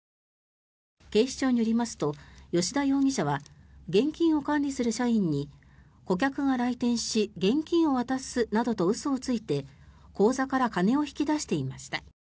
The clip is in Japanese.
警視庁によりますと吉田容疑者は現金を管理する社員に顧客が来店し現金を渡すなどと嘘をついて口座から金を引き出していました。